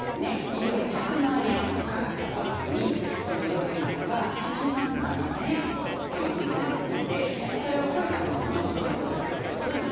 医療が１００万円かかった場合にその上限額は８万７，０００円ほどというふうになりますのでそれを超えた分は後ほど戻ってくるということになっています。